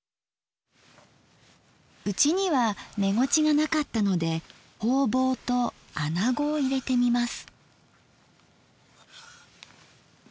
うちにはめごちが無かったのでほうぼうとあなごを入れてみます。